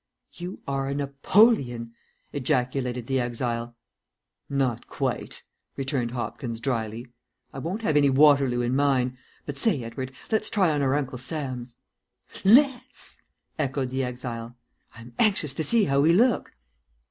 "You are a Napoleon!" ejaculated the exile. "Not quite," returned Hopkins, drily. "I won't have any Waterloo in mine; but say, Edward, let's try on our Uncle Sam's." "Let's!" echoed the exile. "I am anxious to see how we look."